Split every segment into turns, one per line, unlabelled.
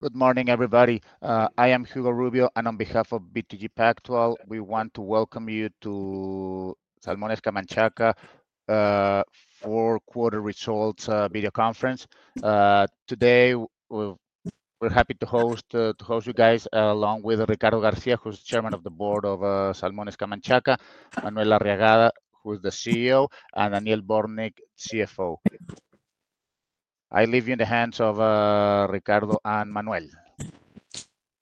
Good morning, everybody. I am Hugo Rubio, and on behalf of BTG Pactual, we want to welcome you to Salmones Camanchaca's fourth quarter results video conference. Today we're happy to host you guys along with Ricardo García, who's Chairman of the Board of Salmones Camanchaca, Manuel Arriagada, who's the CEO, and Daniel Bortnik, CFO. I leave you in the hands of Ricardo and Manuel.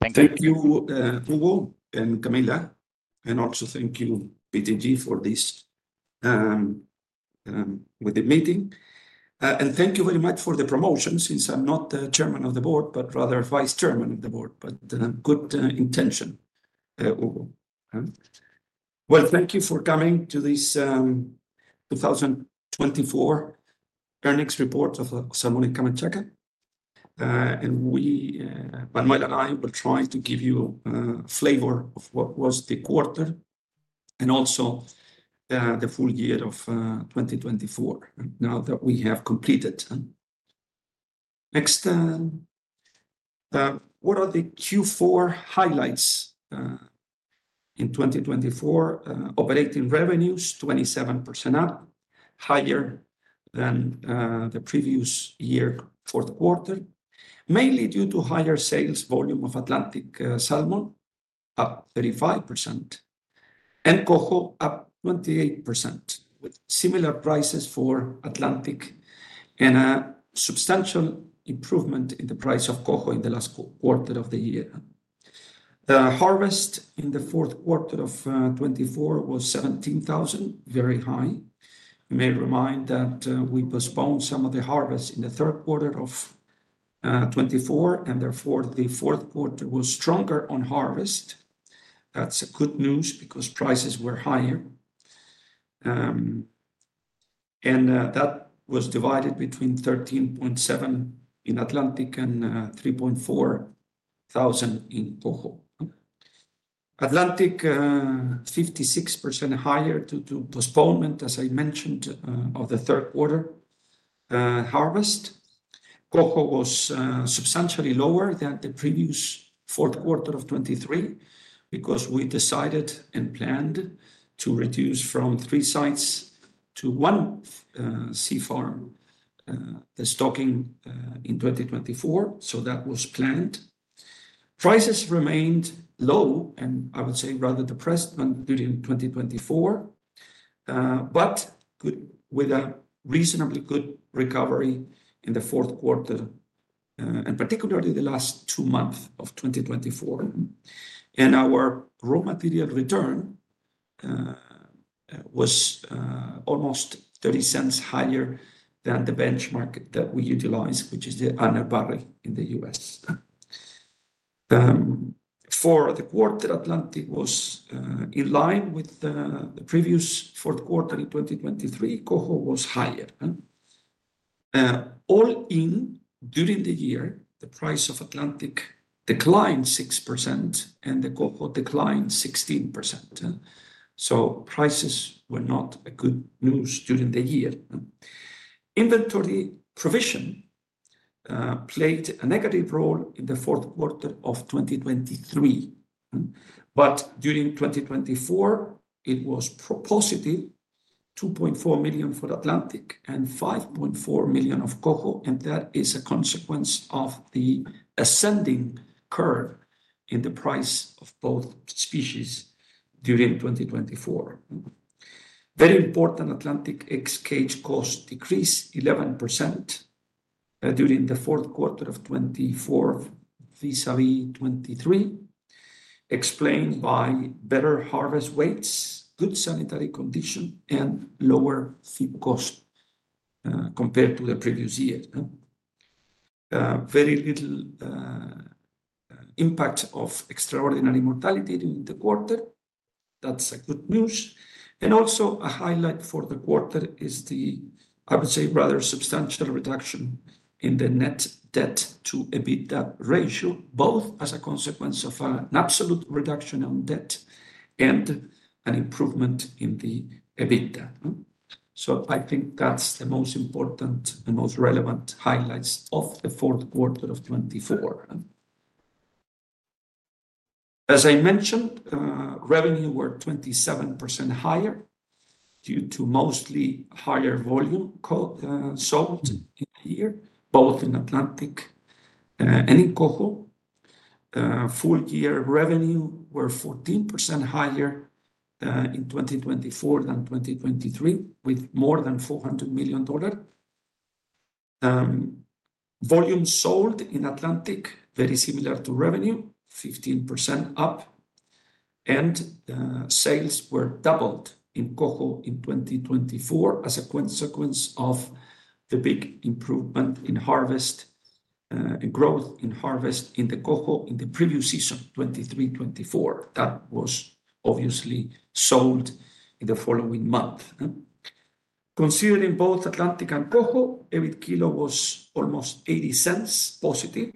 Thank you.
Thank you, Hugo and Camila, and also thank you, BTG, for this, with the meeting. Thank you very much for the promotion since I'm not the Chairman of the Board, but rather Vice Chairman of the Board, but, good intention, Hugo. Thank you for coming to this, 2024 earnings report of Salmones Camanchaca. We, Manuel and I will try to give you flavor of what was the quarter and also the full year of 2024 now that we have completed. Next, what are the Q4 highlights, in 2024? Operating revenues, 27% up, higher than the previous year fourth quarter, mainly due to higher sales volume of Atlantic salmon, up 35%, and Coho up 28%, with similar prices for Atlantic and a substantial improvement in the price of Coho in the last quarter of the year. The harvest in the fourth quarter of 2024 was 17,000, very high. I may remind that we postponed some of the harvest in the third quarter of 2024, and therefore the fourth quarter was stronger on harvest. That's good news because prices were higher. That was divided between 13.7 in Atlantic and 3.4 thousand in Coho. Atlantic, 56% higher due to postponement, as I mentioned, of the third quarter harvest. Coho was substantially lower than the previous fourth quarter of 2023 because we decided and planned to reduce from three sites to one sea farm, the stocking, in 2024. That was planned. Prices remained low, and I would say rather depressed during 2024, but good with a reasonably good recovery in the fourth quarter, particularly the last two months of 2024. Our raw material return was almost 30 cents higher than the benchmark that we utilized, which is the Urner Barry in the U.S. For the quarter, Atlantic was, in line with, the previous fourth quarter in 2023. Coho was higher. All in, during the year, the price of Atlantic declined 6%, and the Coho declined 16%. Prices were not good news during the year. Inventory provision played a negative role in the fourth quarter of 2023, but during 2024, it was positive, $2.4 million for Atlantic and $5.4 million of Coho. That is a consequence of the ascending curve in the price of both species during 2024. Very important, Atlantic ex-cage cost decreased 11% during the fourth quarter of 2024 vis-à-vis 2023, explained by better harvest weights, good sanitary condition, and lower feed cost compared to the previous year. Very little impact of extraordinary mortality during the quarter. That's good news. Also a highlight for the quarter is the, I would say, rather substantial reduction in the net debt to EBITDA ratio, both as a consequence of an absolute reduction on debt and an improvement in the EBITDA. I think that's the most important and most relevant highlights of the fourth quarter of 2024. As I mentioned, revenue were 27% higher due to mostly higher volume sold in the year, both in Atlantic, and in Coho. Full year revenue were 14% higher, in 2024 than 2023, with more than $400 million. Volume sold in Atlantic, very similar to revenue, 15% up. And, sales were doubled in Coho in 2024 as a consequence of the big improvement in harvest, and growth in harvest in the Coho in the previous season, 2023-2024. That was obviously sold in the following month. Considering both Atlantic and Coho, EBIT kilo was almost 80 cents positive.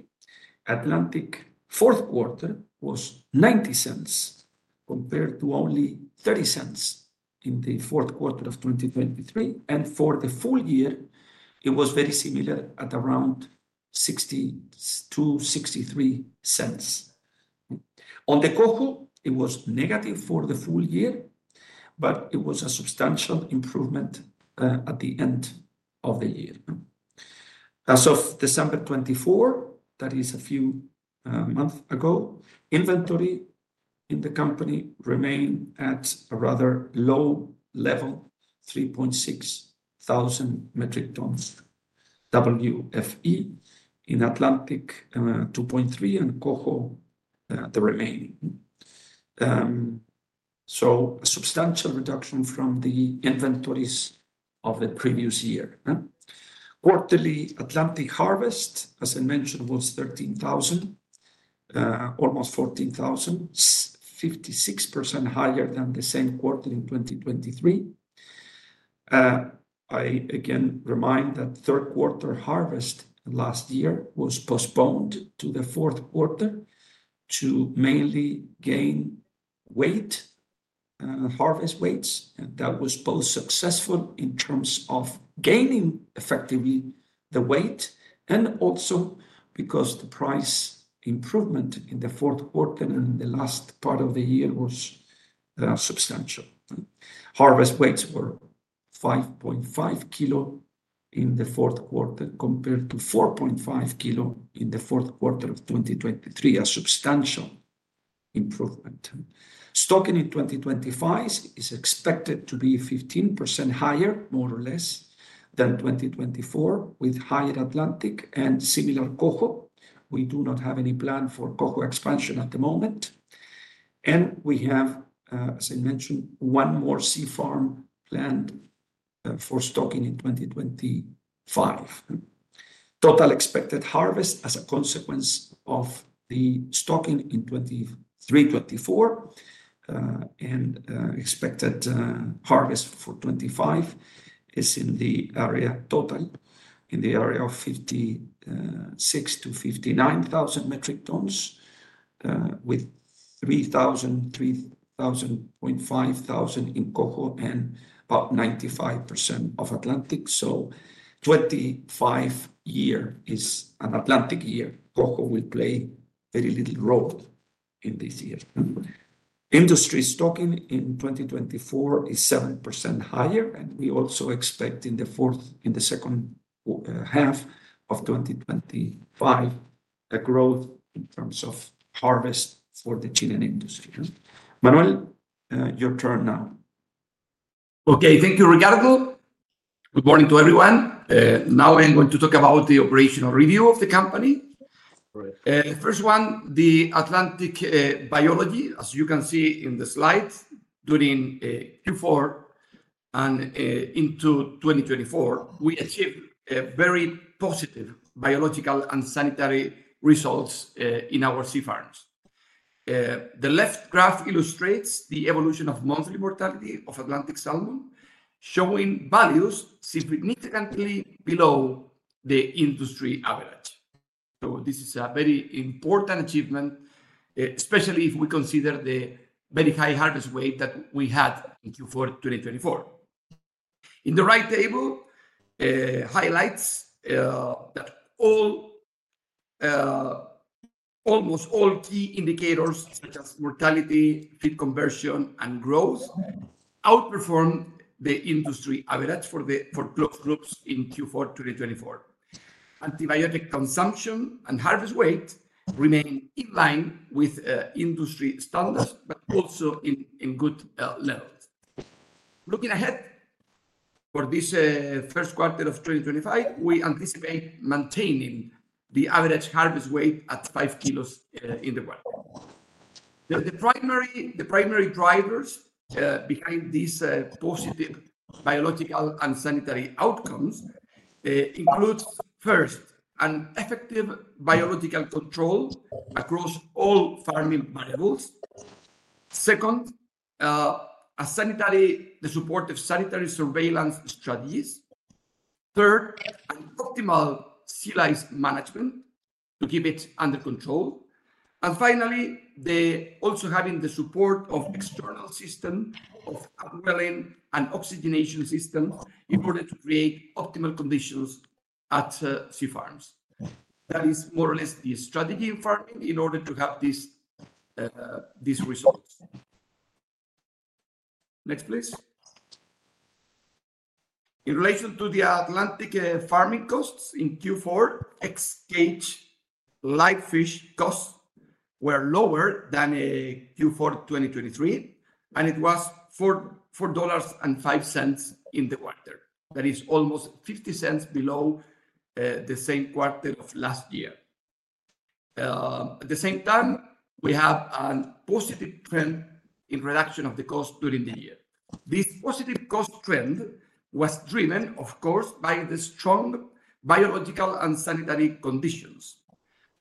Atlantic fourth quarter was 90 cents compared to only 30 cents in the fourth quarter of 2023. For the full year, it was very similar at around 62, 63 cents. On the Coho, it was negative for the full year, but it was a substantial improvement at the end of the year. As of December 2024, that is a few months ago, inventory in the company remained at a rather low level, 3.6 thousand metric tons WFE in Atlantic, 2.3, and Coho, the remaining. A substantial reduction from the inventories of the previous year. Quarterly Atlantic harvest, as I mentioned, was 13,000, almost 14,000, 56% higher than the same quarter in 2023. I again remind that third quarter harvest last year was postponed to the fourth quarter to mainly gain weight, harvest weights. That was both successful in terms of gaining effectively the weight and also because the price improvement in the fourth quarter and in the last part of the year was substantial. Harvest weights were 5.5 kilo in the fourth quarter compared to 4.5 kilo in the fourth quarter of 2023, a substantial improvement. Stocking in 2025 is expected to be 15% higher, more or less, than 2024, with higher Atlantic and similar Coho. We do not have any plan for Coho expansion at the moment. We have, as I mentioned, one more sea farm planned for stocking in 2025. Total expected harvest as a consequence of the stocking in 2023-2024, and expected harvest for 2025 is in the area total, in the area of 56,000-59,000 metric tons, with 3,000-5,000 in Coho and about 95% of Atlantic. 2025 is an Atlantic year. Coho will play very little role in this year. Industry stocking in 2024 is 7% higher, and we also expect in the fourth, in the second, half of 2025, a growth in terms of harvest for the Chilean industry. Manuel, your turn now.
Okay, thank you, Ricardo. Good morning to everyone. Now I am going to talk about the operational review of the company. First one, the Atlantic, biology, as you can see in the slide, during Q4 and into 2024, we achieved very positive biological and sanitary results in our sea farms. The left graph illustrates the evolution of monthly mortality of Atlantic salmon, showing values significantly below the industry average. This is a very important achievement, especially if we consider the very high harvest weight that we had in Q4 2024. In the right table, highlights that all, almost all key indicators, such as mortality, feed conversion, and growth, outperformed the industry average for the, for closed groups in Q4 2024. Antibiotic consumption and harvest weight remain in line with industry standards, but also in good levels. Looking ahead for this first quarter of 2025, we anticipate maintaining the average harvest weight at 5 kilos in the quarter. The primary drivers behind these positive biological and sanitary outcomes include, first, an effective biological control across all farming variables. Second, the support of sanitary surveillance strategies. Third, an optimal sea lice management to keep it under control. Finally, also having the support of external systems of upwelling and oxygenation systems in order to create optimal conditions at sea farms. That is more or less the strategy in farming in order to have these results. Next, please. In relation to the Atlantic, farming costs in Q4, ex-cage live fish costs were lower than Q4 2023, and it was $4.05 in the quarter. That is almost 50 cents below the same quarter of last year. At the same time, we have a positive trend in reduction of the cost during the year. This positive cost trend was driven, of course, by the strong biological and sanitary conditions.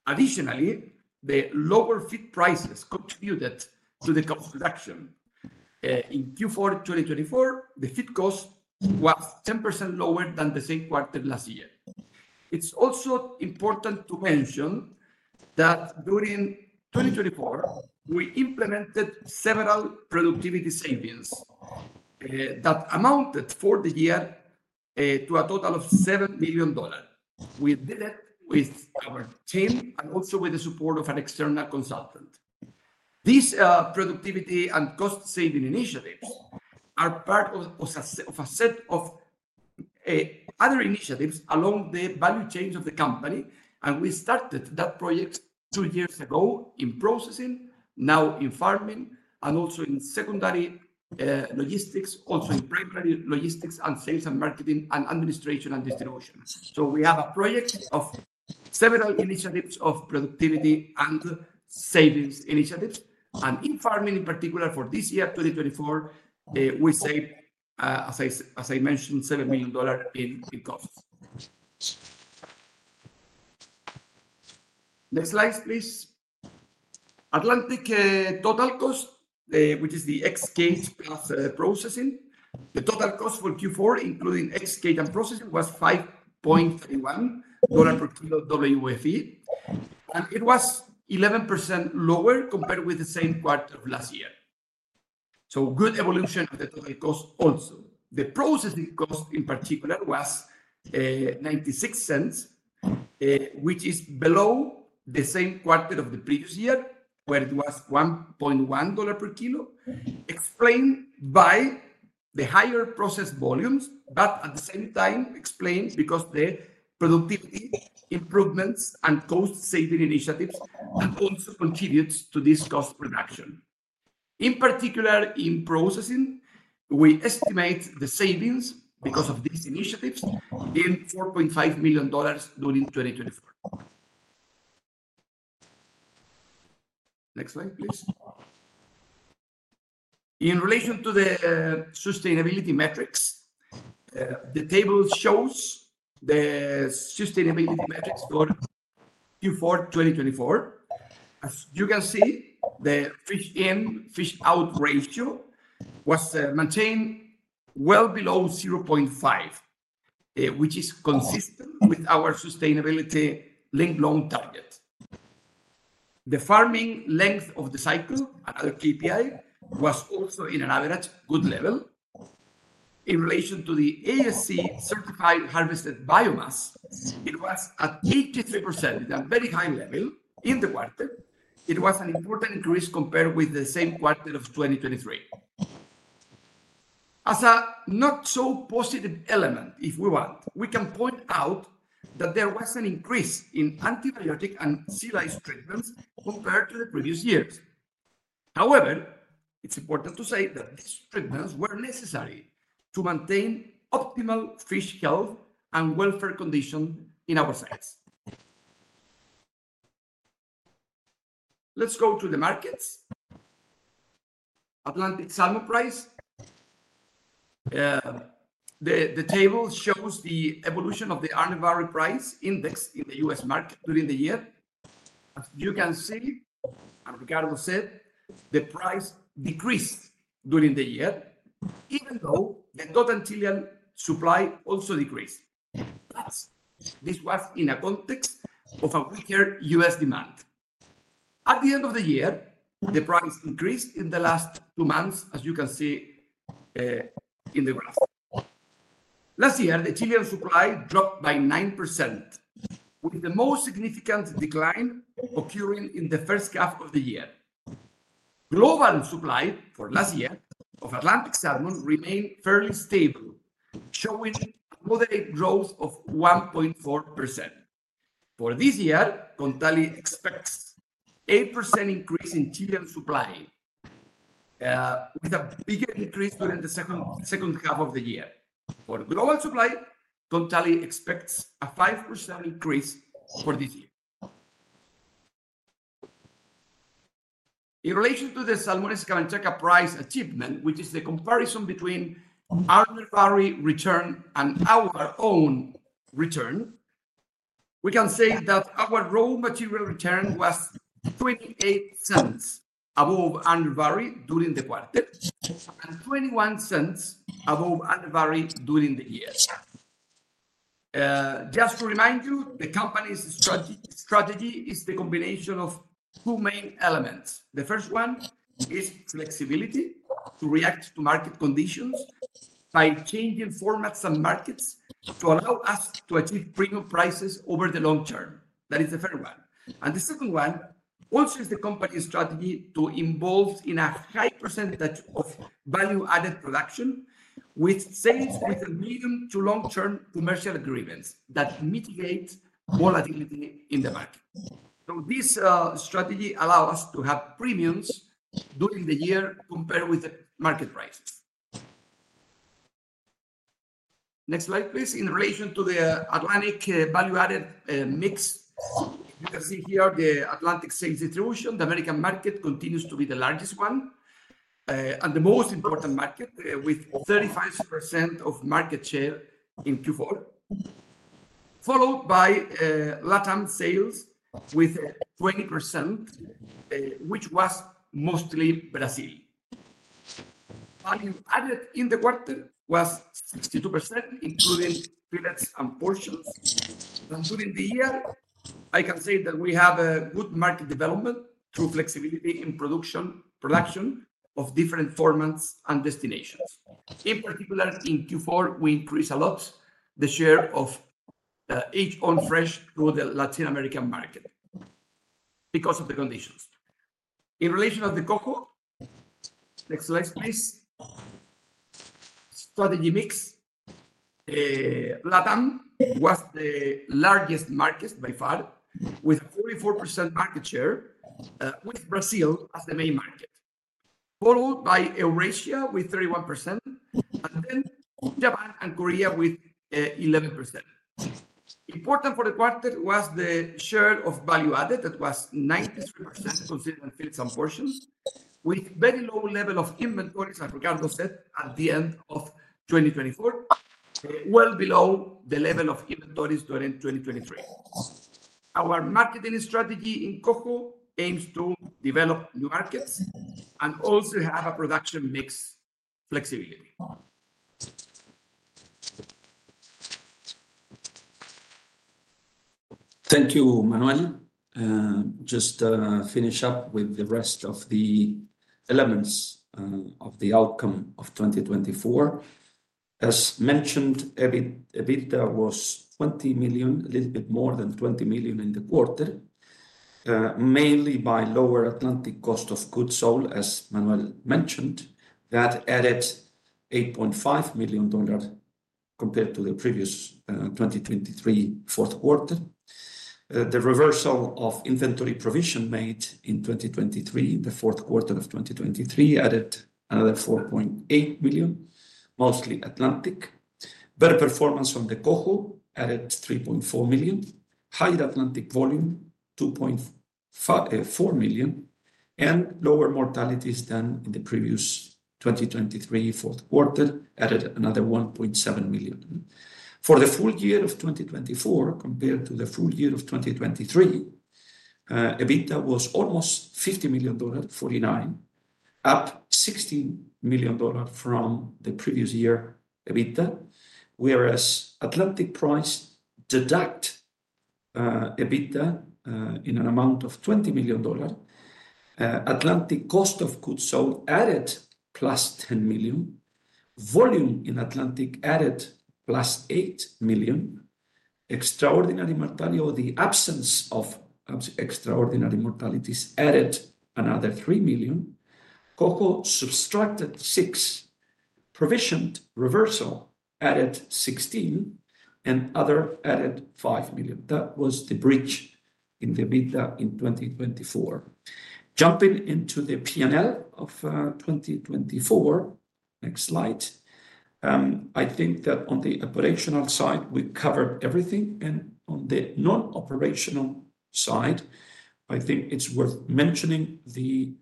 Additionally, the lower feed prices contributed to the cost reduction. In Q4 2024, the feed cost was 10% lower than the same quarter last year. It's also important to mention that during 2024, we implemented several productivity savings, that amounted for the year to a total of $7 million. We did it with our team and also with the support of an external consultant. These productivity and cost saving initiatives are part of a set of other initiatives along the value chains of the company. We started that project two years ago in processing, now in farming, and also in secondary logistics, also in primary logistics and sales and marketing and administration and distribution. We have a project of several initiatives of productivity and savings initiatives. In farming, in particular, for this year, 2024, we saved, as I mentioned, $7 million in costs. Next slide, please. Atlantic, total cost, which is the ex-cage plus processing. The total cost for Q4, including ex-cage and processing, was $5.31 per kilo WFE, and it was 11% lower compared with the same quarter of last year. Good evolution of the total cost. Also, the processing cost in particular was $0.96, which is below the same quarter of the previous year where it was $1.10 per kilo, explained by the higher process volumes, but at the same time explained because the productivity improvements and cost saving initiatives also contribute to this cost reduction. In particular, in processing, we estimate the savings because of these initiatives in $4.5 million during 2024. Next slide, please. In relation to the sustainability metrics, the table shows the sustainability metrics for Q4 2024. As you can see, the fish in, fish out ratio was maintained well below 0.5, which is consistent with our sustainability-linked loan target. The farming length of the cycle, another KPI, was also in an average good level. In relation to the ASC certified harvested biomass, it was at 83%, a very high level in the quarter. It was an important increase compared with the same quarter of 2023. As a not so positive element, if we want, we can point out that there was an increase in antibiotic and sea lice treatments compared to the previous years. However, it's important to say that these treatments were necessary to maintain optimal fish health and welfare condition in our sites. Let's go to the markets. Atlantic salmon price. The table shows the evolution of the Urner Barry price index in the U.S. market during the year. As you can see, and Ricardo said, the price decreased during the year, even though the potential supply also decreased. This was in a context of a weaker U.S. demand. At the end of the year, the price increased in the last two months, as you can see, in the graph. Last year, the Chilean supply dropped by 9%, with the most significant decline occurring in the first half of the year. Global supply for last year of Atlantic salmon remained fairly stable, showing a moderate growth of 1.4%. For this year, Kontali expects an 8% increase in Chilean supply, with a bigger increase during the second, second half of the year. For global supply, Kontali expects a 5% increase for this year. In relation to the Salmones Camanchaca Price Achievement, which is the comparison between Urner Barry return and our own return, we can say that our raw material return was $0.28 above Urner Barry during the quarter and $0.21 above Urner Barry during the year. Just to remind you, the company's strategy is the combination of two main elements. The first one is flexibility to react to market conditions by changing formats and markets to allow us to achieve premium prices over the long term. That is the third one. The second one also is the company's strategy to involve in a high percentage of value-added production with sales, with medium to long-term commercial agreements that mitigate volatility in the market. This strategy allows us to have premiums during the year compared with the market price. Next slide, please. In relation to the Atlantic value-added mix, you can see here the Atlantic sales distribution. The American market continues to be the largest one, and the most important market, with 35% of market share in Q4, followed by LATAM sales with 20%, which was mostly Brazil. Value-added in the quarter was 62%, including fillets and portions. During the year, I can say that we have a good market development through flexibility in production, production of different formats and destinations. In particular, in Q4, we increased a lot the share of HON fresh through the Latin American market because of the conditions. In relation to the Coho, next slide, please. Strategy mix, LATAM was the largest market by far, with a 44% market share, with Brazil as the main market, followed by Eurasia with 31%, and then Japan and Korea with 11%. Important for the quarter was the share of value-added that was 93%, considering fillets and portions, with a very low level of inventories, as Ricardo said, at the end of 2024, well below the level of inventories during 2023. Our marketing strategy in Coho aims to develop new markets and also have a production mix flexibility.
Thank you, Manuel. Just, finish up with the rest of the elements, of the outcome of 2024. As mentioned, EBITDA was $20 million, a little bit more than $20 million in the quarter, mainly by lower Atlantic cost of goods sold, as Manuel mentioned, that added $8.5 million compared to the previous 2023 fourth quarter. The reversal of inventory provision made in 2023, in the fourth quarter of 2023, added another $4.8 million, mostly Atlantic. Better performance from the Coho added $3.4 million, higher Atlantic volume $2.4 million, and lower mortalities than in the previous 2023 fourth quarter added another $1.7 million. For the full year of 2024 compared to the full year of 2023, EBITDA was almost $50 million, $49 million, up $16 million from the previous year EBITDA, whereas Atlantic price deduct, EBITDA, in an amount of $20 million. Atlantic cost of goods sold added plus $10 million. Volume in Atlantic added plus $8 million. Extraordinary mortality or the absence of extraordinary mortalities added another $3 million. Coho subtracted $6 million. Provision reversal added $16 million and other added $5 million. That was the bridge in the EBITDA in 2024. Jumping into the P&L of 2024, next slide. I think that on the operational side we covered everything, and on the non-operational side, I think it is worth mentioning the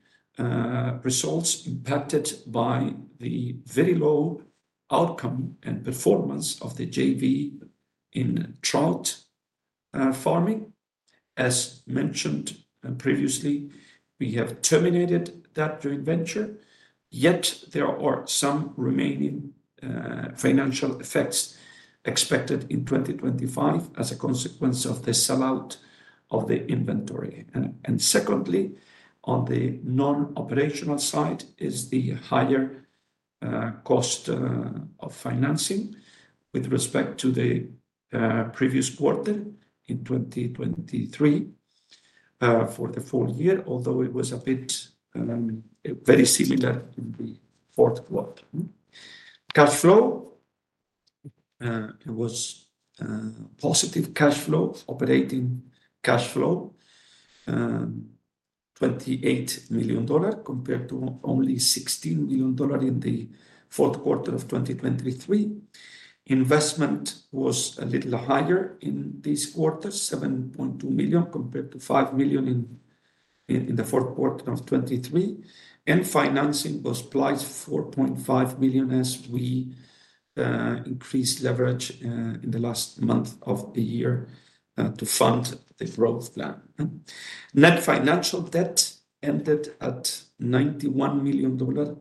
results impacted by the very low outcome and performance of the JV in trout farming. As mentioned previously, we have terminated that joint venture, yet there are some remaining financial effects expected in 2025 as a consequence of the sellout of the inventory. Secondly, on the non-operational side is the higher cost of financing with respect to the previous quarter in 2023, for the full year, although it was very similar in the fourth quarter. Cash flow, it was positive cash flow, operating cash flow, $28 million compared to only $16 million in the fourth quarter of 2023. Investment was a little higher in this quarter, $7.2 million compared to $5 million in the fourth quarter of 2023. Financing was +$4.5 million as we increased leverage in the last month of the year to fund the growth plan. Net financial debt ended at $91 million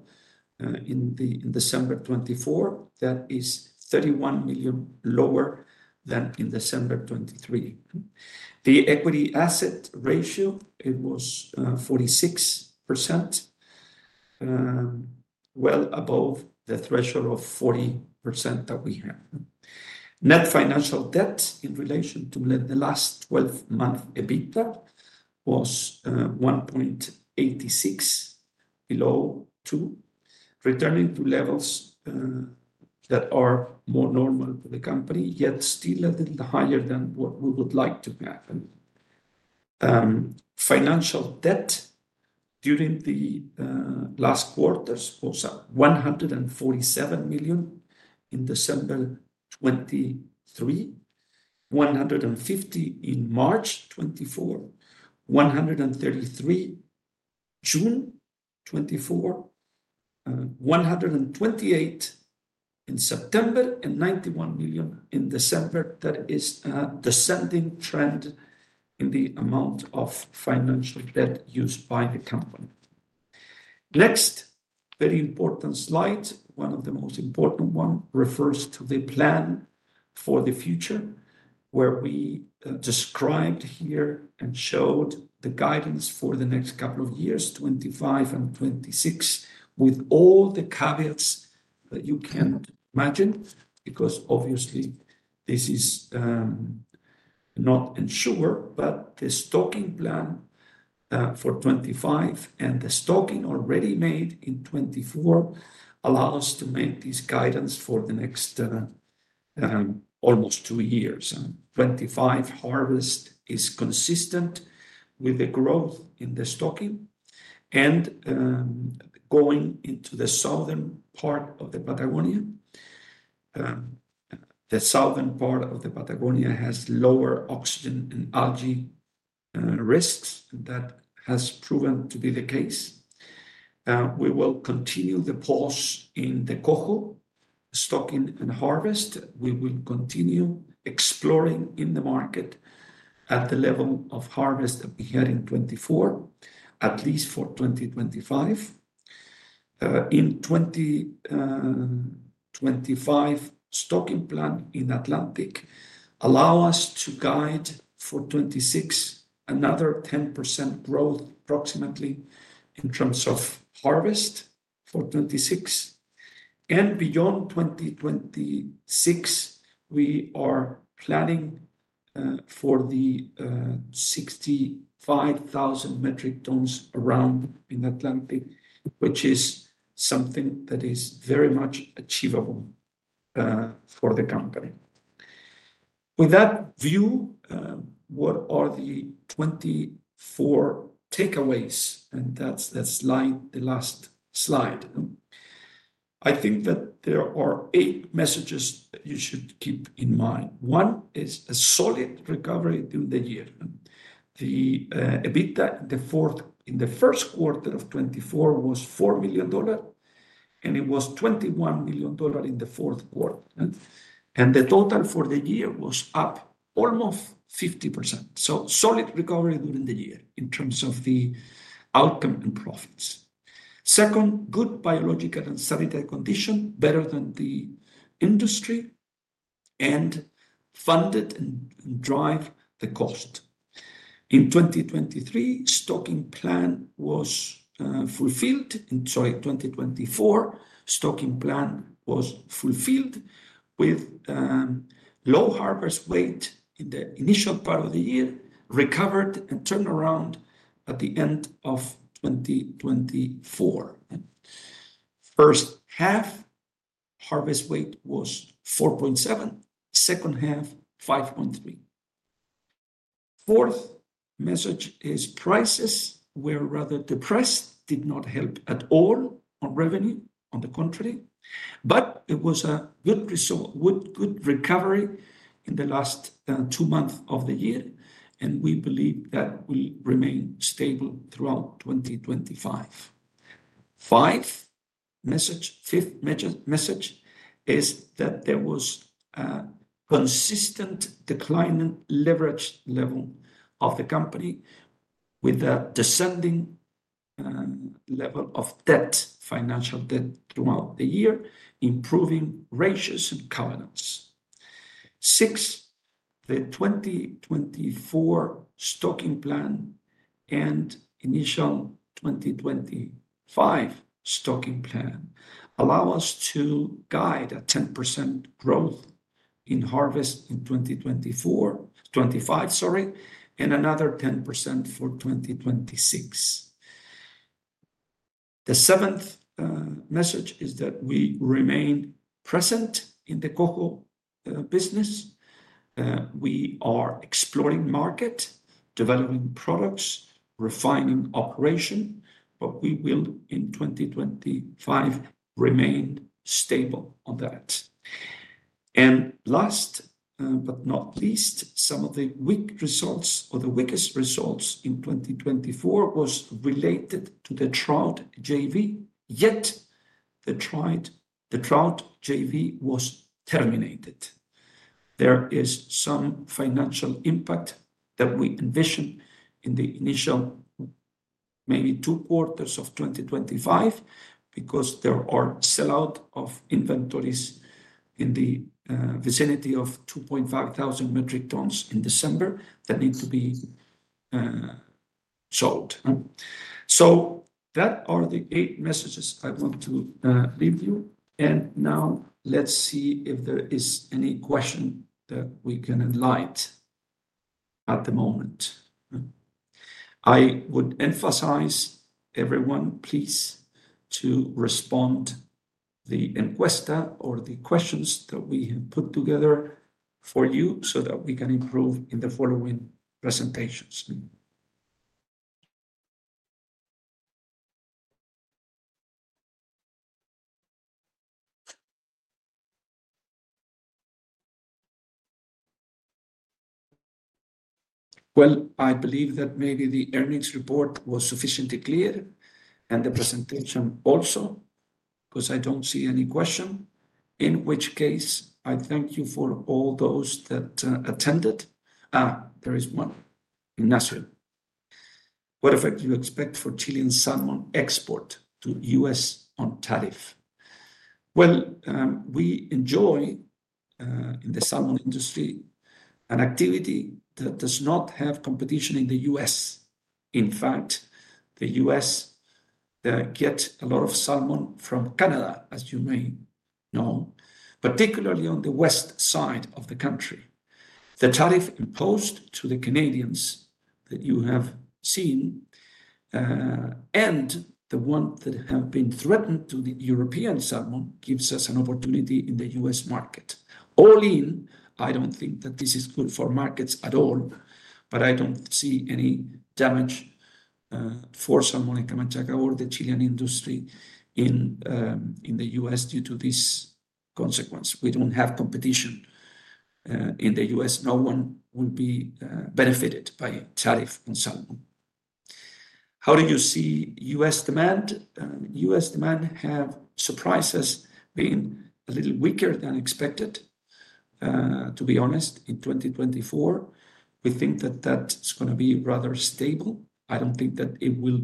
in December 2024. That is $31 million lower than in December 2023. The equity asset ratio, it was 46%, well above the threshold of 40% that we have. Net financial debt in relation to the last 12-month EBITDA was 1.86, below two, returning to levels that are more normal for the company, yet still a little higher than what we would like to have. Financial debt during the last quarters was $147 million in December 2023, $150 million in March 2024, $133 million in June 2024, $128 million in September, and $91 million in December. That is a descending trend in the amount of financial debt used by the company. Next, very important slide. One of the most important ones refers to the plan for the future, where we described here and showed the guidance for the next couple of years, 2025 and 2026, with all the caveats that you can imagine, because obviously this is not insured, but the stocking plan for 2025 and the stocking already made in 2024 allows us to make this guidance for the next, almost two years. The 2025 harvest is consistent with the growth in the stocking. Going into the southern part of the Patagonia, the southern part of the Patagonia has lower oxygen and algae risks. That has proven to be the case. We will continue the pause in the Coho stocking and harvest. We will continue exploring in the market at the level of harvest that we had in 2024, at least for 2025. In 2025, stocking plan in Atlantic allows us to guide for 2026 another 10% growth approximately in terms of harvest for 2026. Beyond 2026, we are planning, for the, 65,000 metric tons around in Atlantic, which is something that is very much achievable, for the company. With that view, what are the 2024 takeaways? That is, that is slide the last slide. I think that there are eight messages that you should keep in mind. One is a solid recovery during the year. The EBITDA in the fourth, in the first quarter of 2024 was $4 million, and it was $21 million in the fourth quarter. The total for the year was up almost 50%. Solid recovery during the year in terms of the outcome and profits. Second, good biological and sanitary condition, better than the industry, and funded and drive the cost. In 2023, stocking plan was fulfilled. In, sorry, 2024, stocking plan was fulfilled with low harvest weight in the initial part of the year, recovered and turned around at the end of 2024. First half harvest weight was 4.7, second half 5.3. Fourth message is prices were rather depressed, did not help at all on revenue on the country, but it was a good result, good recovery in the last two months of the year, and we believe that will remain stable throughout 2025. Fifth message, fifth message is that there was a consistent declining leverage level of the company with a descending level of debt, financial debt throughout the year, improving ratios and covenants. Six, the 2024 stocking plan and initial 2025 stocking plan allow us to guide a 10% growth in harvest in 2024, 2025, sorry, and another 10% for 2026. The seventh message is that we remain present in the Coho business. We are exploring market, developing products, refining operation, but we will in 2025 remain stable on that. Last, but not least, some of the weak results or the weakest results in 2024 was related to the trout JV, yet the trout, the trout JV was terminated. There is some financial impact that we envision in the initial maybe two quarters of 2025 because there are sellout of inventories in the vicinity of 2.5 thousand metric tons in December that need to be sold. So that are the eight messages I want to leave you. And now let's see if there is any question that we can enlight at the moment. I would emphasize everyone, please, to respond to the encuesta or the questions that we have put together for you so that we can improve in the following presentations. I believe that maybe the earnings report was sufficiently clear and the presentation also because I don't see any question. In which case, I thank you for all those that attended. There is one in Ignacio. What effect do you expect for Chilean salmon export to the U.S. on tariff? We enjoy, in the salmon industry, an activity that does not have competition in the U.S. In fact, the U.S. gets a lot of salmon from Canada, as you may know, particularly on the west side of the country. The tariff imposed to the Canadians that you have seen, and the one that have been threatened to the European salmon, gives us an opportunity in the U.S. market. All in, I do not think that this is good for markets at all, but I do not see any damage for salmon and Camanchaca or the Chilean industry in the U.S. due to this consequence. We do not have competition in the U.S. No one will be benefited by tariff on salmon. How do you see U.S. demand? U.S. demand has surprised, being a little weaker than expected, to be honest. In 2024, we think that that is going to be rather stable. I don't think that it will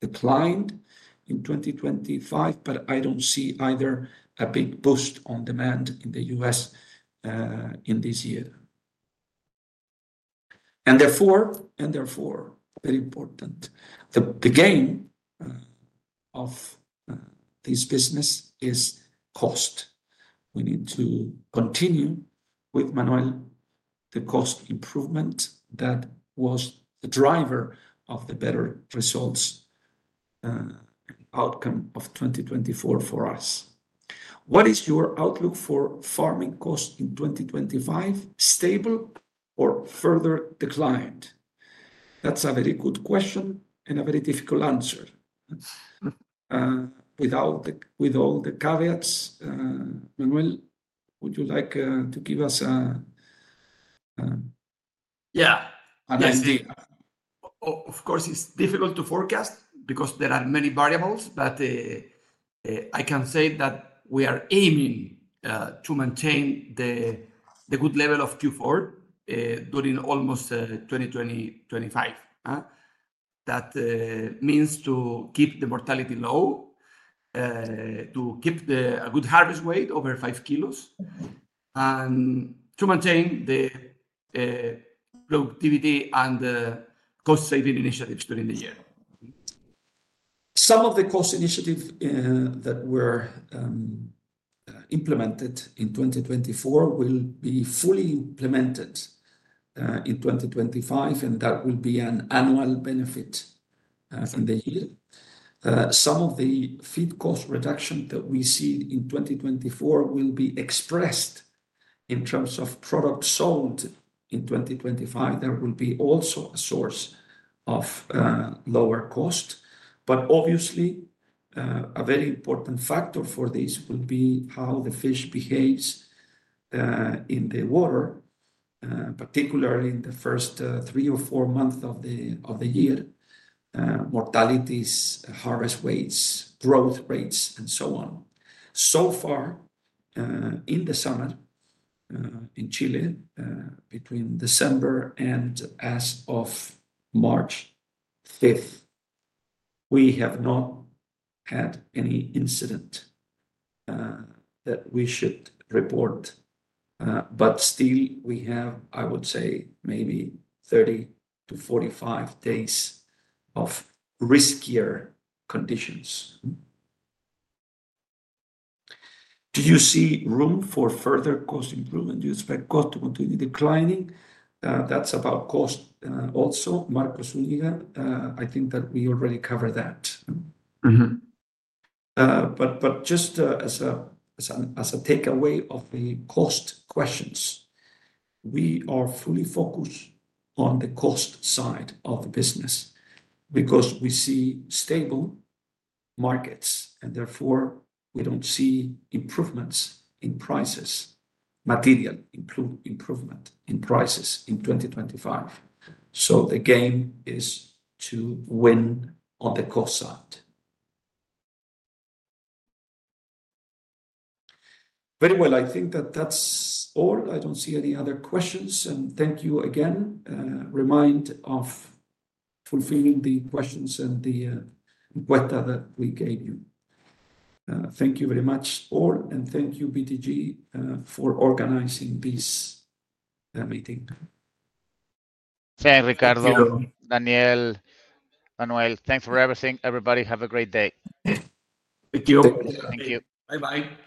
decline in 2025, but I don't see either a big boost on demand in the U.S., in this year. Therefore, very important, the gain of this business is cost. We need to continue with Manuel, the cost improvement that was the driver of the better results and outcome of 2024 for us. What is your outlook for farming cost in 2025? Stable or further declined? That's a very good question and a very difficult answer. With all the caveats, Manuel, would you like to give us a,
Yeah, I see. Of course, it's difficult to forecast because there are many variables, but I can say that we are aiming to maintain the good level of Q4 during almost 2025. That means to keep the mortality low, to keep a good harvest weight over five kilos, and to maintain the productivity and cost-saving initiatives during the year.
Some of the cost initiatives that were implemented in 2024 will be fully implemented in 2025, and that will be an annual benefit in the year. Some of the feed cost reduction that we see in 2024 will be expressed in terms of product sold in 2025. There will be also a source of lower cost, but obviously, a very important factor for this will be how the fish behaves in the water, particularly in the first three or four months of the year: mortalities, harvest weights, growth rates, and so on. So far, in the summer in Chile, between December and as of March 5th, we have not had any incident that we should report. But still we have, I would say, maybe 30-45 days of riskier conditions. Do you see room for further cost improvement? Do you expect cost to continue declining? That is about cost, also. Marcos, I think that we already covered that. Mm-hmm. But, just as a takeaway of the cost questions, we are fully focused on the cost side of the business because we see stable markets and therefore we do not see improvements in prices, material improvement in prices in 2025. The game is to win on the cost side. Very well. I think that is all. I do not see any other questions. Thank you again, reminder of fulfilling the questions and the encuesta that we gave you. Thank you very much all, and thank you BTG, for organizing this meeting.
Thank you, Ricardo, Daniel, Manuel. Thanks for everything. Everybody have a great day.
Thank you.
Thank you. Bye-bye.